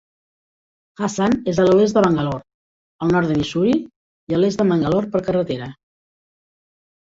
Hassan és a l'oest de Bangalore, al nord de Mysore i a l'est de Mangalore per carretera.